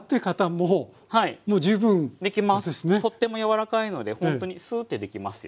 とっても柔らかいのでほんとにスーッてできますよ。